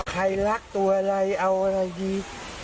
ใครรักตัวอะไรเอาอะไรดี